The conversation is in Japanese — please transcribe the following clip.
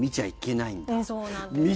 そうなんですって。